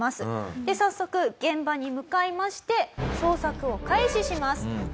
早速現場に向かいまして捜索を開始します。